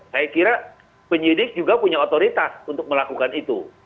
saya kira penyidik juga punya otoritas untuk melakukan itu